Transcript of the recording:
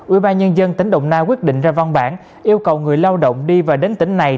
ủy ban nhân dân tỉnh đồng nai quyết định ra văn bản yêu cầu người lao động đi và đến tỉnh này